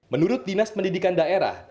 menurut dinas pendidikan daerah